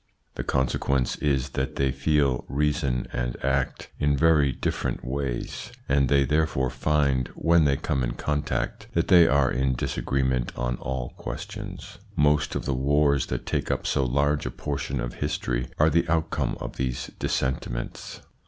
The consequence is that they feel, reason and act in very different ways, and they therefore find, when they come in contact, that they are in disagreement on all questions. Most of the wars that take up so large a portion of history are the outcome of these dissentiments.